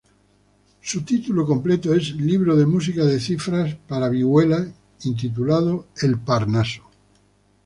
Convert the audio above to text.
Su título completo es Libro de música de cifras para vihuela, intitulado El Parnaso.